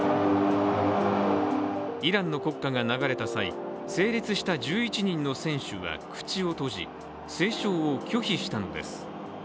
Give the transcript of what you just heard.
イランの国歌が流れた際、整列した１１人の選手は口を閉じ、斉唱を拒否したのです。